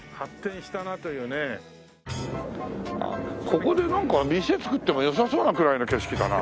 ここでなんか店作っても良さそうなくらいの景色だな。